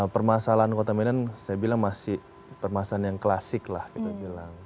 permasalahan kota medan saya bilang masih permasalahan yang klasik lah kita bilang